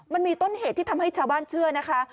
มันมีต้นเหตุที่ทำให้ชาวบ้านเชื่อนะคะ